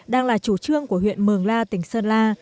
đang là chủ trương của huyện mường la tỉnh sơn la